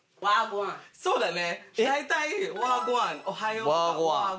そうだね。